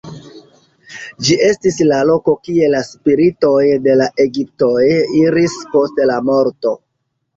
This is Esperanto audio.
Ĝi estis la loko kie la spiritoj de la egiptoj iris post la morto.